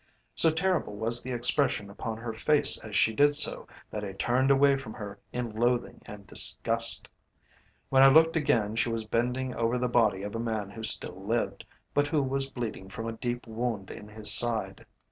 So terrible was the expression upon her face as she did so, that I turned away from her in loathing and disgust. When I looked again she was bending over the body of a man who still lived, but who was bleeding from a deep wound in his side.